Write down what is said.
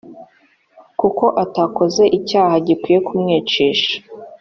kuko atakoze icyaha gikwiriye kumwicisha.